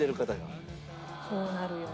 そうなるよね。